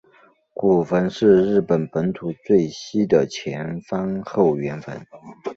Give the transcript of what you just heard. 古坟是日本本土最西的前方后圆坟。